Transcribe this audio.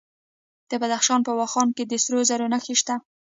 د بدخشان په واخان کې د سرو زرو نښې شته.